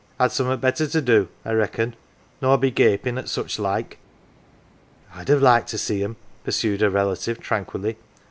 I'd summat better to do, I reckon, nor be gapin' at such like." " I'd 'ave liked to see 'em," pursued her relative, tranquilly.